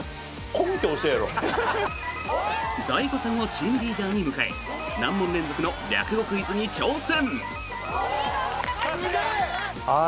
ＤＡＩＧＯさんをチームリーダーに迎え難問連続の略語クイズに挑戦！